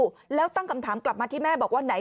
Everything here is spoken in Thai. แล้วตั้งคำถามกลับมาที่แม่บอกว่าไหน